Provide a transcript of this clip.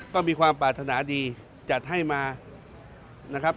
ก็มีความปรารถนาดีจัดให้มานะครับ